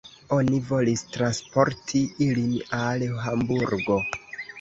Oni volis transporti ilin al Hamburgo.